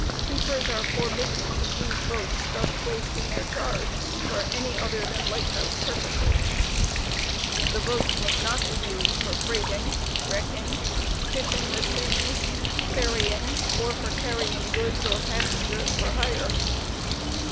Keepers are forbidden to use boats thus placed in their charge for any other than light house purposes. The boats must not be used for freighting, wrecking, fishing with seines, ferrying, or fpr carrying goods or passengers for hire.